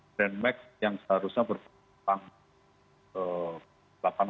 grand next yang seharusnya berhubungan